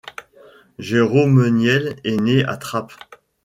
Jérôme Niel est né à Trappes.